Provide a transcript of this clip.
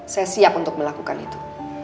saya siap untuk melakukan itu